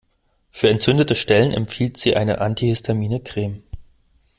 Für entzündete Stellen empfiehlt sie eine antihistamine Creme.